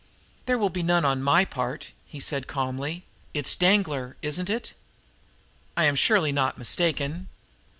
"There will be none on my part," he said calmly. "It's Danglar, isn't it? I am surely not mistaken.